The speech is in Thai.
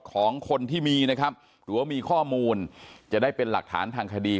ของคนที่มีนะครับหรือว่ามีข้อมูลจะได้เป็นหลักฐานทางคดี